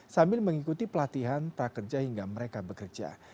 sambil mengikuti pelatihan prakerja hingga mereka bekerja